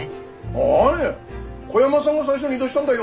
あれ小山さんが最初に言いだしたんだよ。